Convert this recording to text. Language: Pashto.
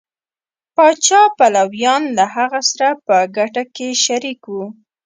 پاچا پلویان له هغه سره په ګټه کې شریک وو.